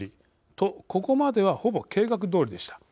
と、ここまではほぼ計画どおりでした。